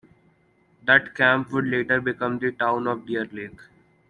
The camp would later become the town of Deer Lake.